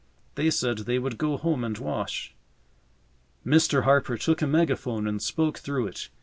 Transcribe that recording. They said they would go home and wash. Mr. Harper took a megaphone and spoke through it.